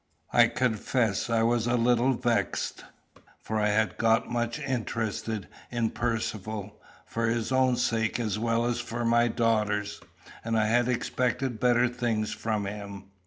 I confess I was a little vexed; for I had got much interested in Percivale, for his own sake as well as for my daughter's, and I had expected better things from him.